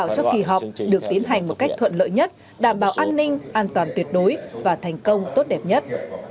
cho kỳ họp được tiến hành một cách thuận lợi nhất đảm bảo an ninh an toàn tuyệt đối và thành công tốt đẹp nhất